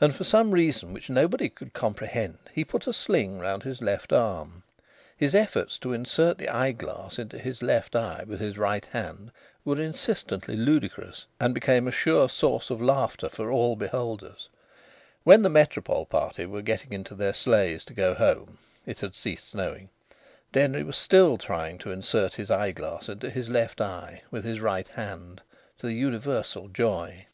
And for some reason which nobody could comprehend, he put a sling round his left arm. His efforts to insert the eyeglass into his left eye with his right hand were insistently ludicrous and became a sure source of laughter for all beholders. When the Métropole party were getting into their sleighs to go home it had ceased snowing Denry was still trying to insert his eyeglass into his left eye with his right hand, to the universal joy.